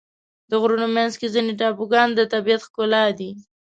د غرونو منځ کې ځینې ټاپوګان د طبیعت ښکلا دي.